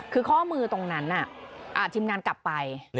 คือข้อมือตรงนั้นทีมงานกลับไป